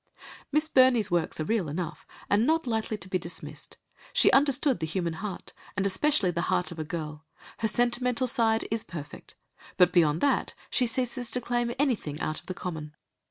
Miss Burney's works are real enough, and not lightly to be dismissed; she understood the human heart, and especially the heart of a girl, her sentimental side is perfect, but beyond that she ceases to claim anything out of the common.